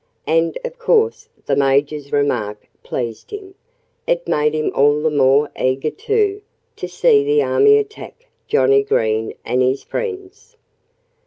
And of course the Major's remark pleased him. It made him all the more eager, too, to see the army attack Johnnie Green and his friends.